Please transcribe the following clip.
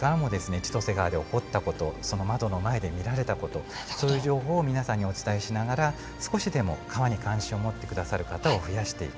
千歳川で起こった事その窓の前で見られた事そういう情報を皆さんにお伝えしながら少しでも川に関心を持って下さる方を増やしていく。